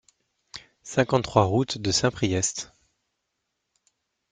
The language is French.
cinquante-trois route de Saint-Priest